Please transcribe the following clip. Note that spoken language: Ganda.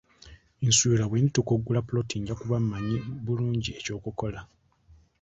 Nsuubira bwe ndituuka okugula ppoloti, nja kuba mmanyi bulungi eky'okukola.